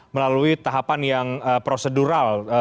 melalui tahapan yang prosedural